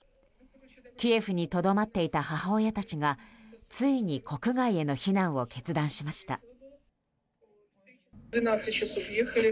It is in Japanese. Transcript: キエフにとどまっていた母親たちがついに国外への避難を決断しました。